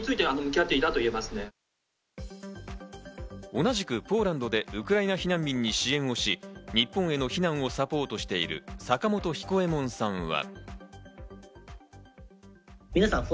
同じくポーランドでウクライナ避難民に支援をし、日本への避難をサポートしている坂本彦右衛門さんは。